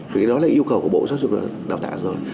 vì cái đó là yêu cầu của bộ giáo dục đào tạo rồi